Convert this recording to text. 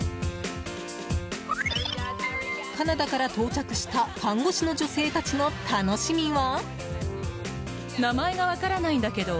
カナダから到着した看護師の女性たちの楽しみは。